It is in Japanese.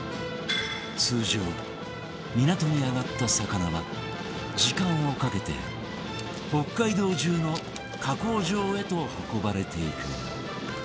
通常港に揚がった魚は時間をかけて北海道中の加工場へと運ばれていく